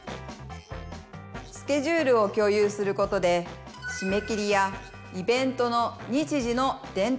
スケジュールを共有することでしめ切りやイベントの日時の伝達